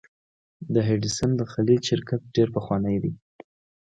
د هډسن خلیج شرکت ډیر پخوانی دی.